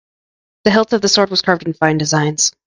The hilt of the sword was carved with fine designs.